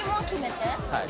はい。